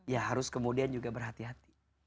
ya harus kemudian juga berhati hati